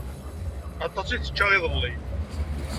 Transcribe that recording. Aṭas i tečča iḍelli.